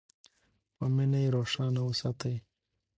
په مینه یې روښانه وساتئ.